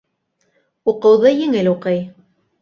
Уҡыуҙы еңел уҡый.